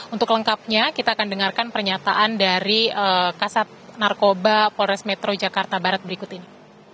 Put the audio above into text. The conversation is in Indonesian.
untuk lengkapnya kita akan dengarkan pernyataan dari kasat narkoba polres metro jakarta barat berikut ini